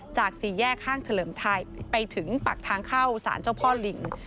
สี่แยกห้างเฉลิมไทยไปถึงปากทางเข้าสารเจ้าพ่อลิง